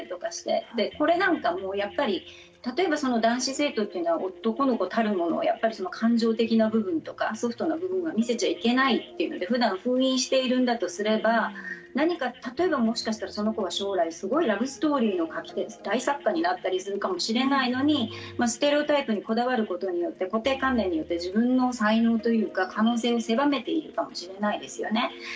これなんかもやっぱり例えば男子生徒というのは男の子たるものやっぱり感情的な部分とかソフトな部分は見せちゃいけないというのでふだん封印しているんだとすれば何か例えばもしかしたらその子は将来すごいラブストーリーの書き手大作家になったりするかもしれないのにステレオタイプにこだわることによって固定観念によって自分の才能というか可能性狭めているかもしれないですよね。